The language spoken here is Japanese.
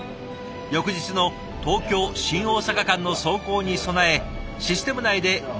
翌日の東京ー新大阪間の走行に備えシステム内で模擬走行を実施。